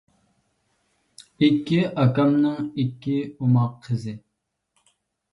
ئىككى ئاكامنىڭ ئىككى ئوماق قىزى.